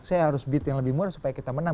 saya harus beat yang lebih murah supaya kita menang